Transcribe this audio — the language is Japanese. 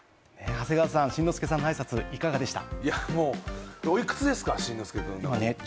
長谷川さん、新之助さんのあいさつ、いかがでした？